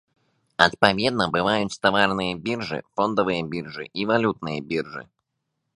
Адпаведна бываюць таварныя біржы, фондавыя біржы і валютныя біржы.